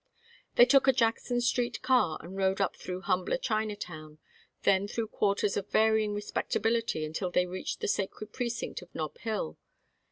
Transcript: They took a Jackson Street car and rode up through humbler Chinatown, then through quarters of varying respectability until they reached the sacred precinct of Nob Hill.